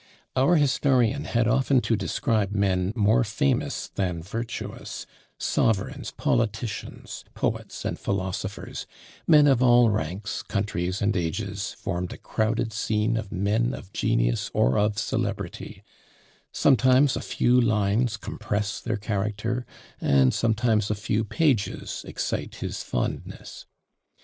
Our historian had often to describe men more famous than virtuous; sovereigns, politicians, poets, and philosophers, men of all ranks, countries, and ages, formed a crowded scene of men of genius or of celebrity; sometimes a few lines compress their character, and sometimes a few pages excite his fondness.